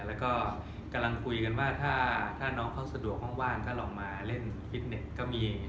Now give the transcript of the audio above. แล้วก็กำลังคุยกันว่าถ้าน้องเขาสะดวกว่างก็ลองมาเล่นฟิตเน็ตก็มี